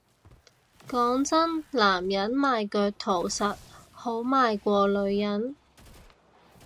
講真男人賣腳圖實好賣過女人